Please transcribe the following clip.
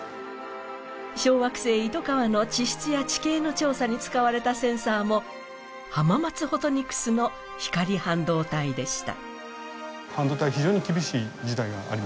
小惑星イトカワの地質や地形の調査に使われたセンサーも、浜松ホトニクスの光半導体でした。